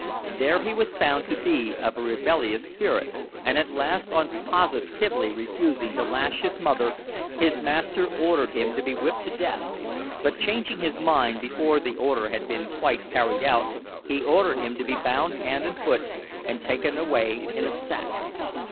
There he was found to be of a rebellious spirit, and at last on positively refusing to lash his mother, his master ordered him to be whipped to death, but, changing his mind before the order had been quite carried out he ordered him to be bound hand and foot and taken away in a sack.